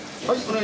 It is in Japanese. はい。